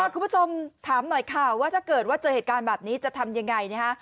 คุณผู้ชมถามหน่อยค่ะว่าถ้าเกิดว่าเจอเหตุการณ์แบบนี้จะทำยังไงนะฮะ